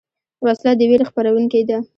وسله د ویرې خپرونکې ده